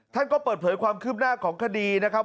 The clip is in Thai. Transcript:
ท่านก็เปิดเผยความคืบหน้าของคดีนะครับ